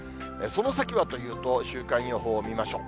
その先はというと、週間予報見ましょう。